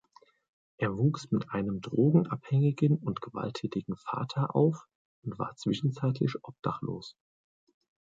Er wuchs mit einem drogenabhängigen und gewalttätigen Vater auf und war zwischenzeitlich obdachlos.